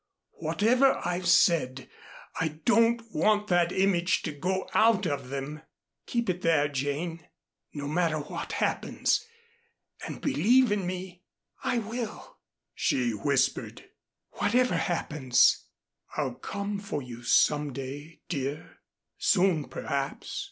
Whatever I've said I don't want that image to go out of them. Keep it there, Jane, no matter what happens, and believe in me." "I will," she whispered, "whatever happens." "I'll come for you some day, dear, soon perhaps.